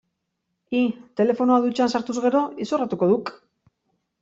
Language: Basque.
Hi, telefonoa dutxan sartuz gero, izorratuko duk.